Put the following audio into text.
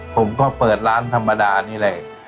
ผมก็เปิดร้านธรรมดานี่แหละ